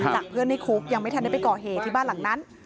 จากเพื่อนในคุกยังไม่ทันได้ไปก่อเหตุที่บ้านหลังนั้น